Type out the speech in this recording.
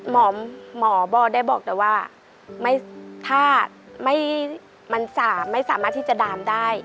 หมอบอได้บอกแต่ว่าถ้ามันไม่สามารถที่จะดามได้